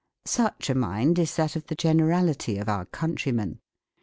Such a mind is that of the gener ality of our countrymen.